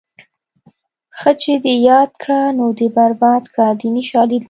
ښه چې دې یاد کړه نو دې برباد کړه دیني شالید لري